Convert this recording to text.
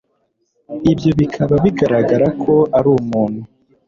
ibyo bikaba bigaragaza ko ari umuntu.